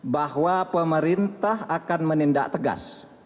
bahwa pemerintah akan menindak tegas